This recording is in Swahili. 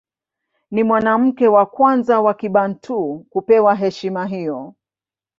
Ni mwanamke wa kwanza wa Kibantu kupewa heshima hiyo.